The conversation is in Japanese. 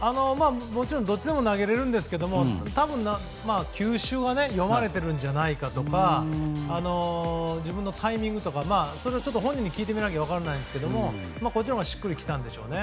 もちろんどっちでも投げられるんですけど多分、球種は読まれているんじゃないかとか自分のタイミングとか、それはちょっと、本人に聞かないと分からないんですけどこっちのほうがしっくりきたんでしょうね。